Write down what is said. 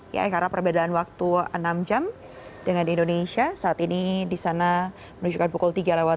ya karena perbedaan waktu enam jam dengan di indonesia saat ini di sana menunjukkan pukul tiga sembilan belas